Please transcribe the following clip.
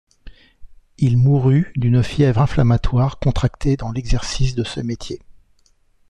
Il mourut d'une fièvre inflammatoire contractée dans l'exercice de ce métier.